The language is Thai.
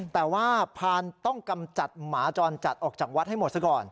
แต่ว่าพานต้องกำจัดหมาจรจัดออกจากวัดให้หมดซะก่อน